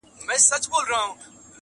شپه د پرخي په قدم تر غېږي راغلې!!